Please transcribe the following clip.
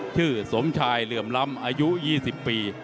สมชายเหลื่อมล้ำอายุ๒๐ปี